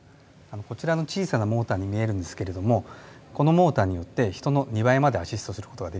こちらの小さなモーターに見えるんですけれどもこのモーターによって人の２倍までアシストする事ができるんですよ。